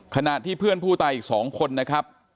ขณะที่เพื่อนผู้ตายอีก๒คนนะครับ